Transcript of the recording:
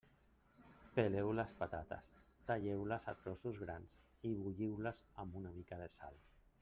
Peleu les patates, talleu-les a trossos grans i bulliu-les amb una mica de sal.